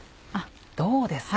どうですか？